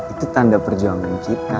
itu tanda perjuangan kita